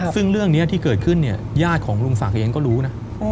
ซึ่งเรื่องนี้ที่เกิดขึ้นเนี่ยญาติของลุงศักดิ์เองก็รู้นะ